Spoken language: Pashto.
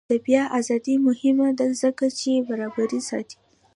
د بیان ازادي مهمه ده ځکه چې برابري ساتي.